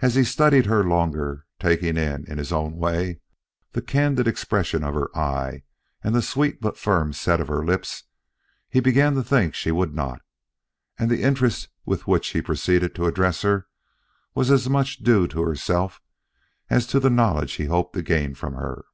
As he studied her longer, taking in, in his own way, the candid expression of her eye and the sweet but firm set of her lips, he began to think she would not, and the interest with which he proceeded to address her was as much due to herself as to the knowledge he hoped to gain from her.